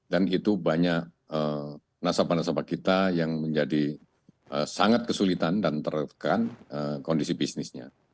dan itu banyak nasabah nasabah kita yang menjadi sangat kesulitan dan terkena kondisi bisnisnya